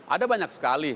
ada banyak sekali